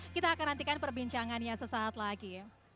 kita akan nantikan perbincangannya sesaat lagi